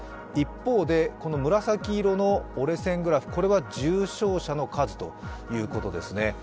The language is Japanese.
一方で、紫色の折れ線グラフ、これは重症者の数ということですね。